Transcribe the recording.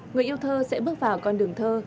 người yêu thơ sẽ bước vào con đường thơ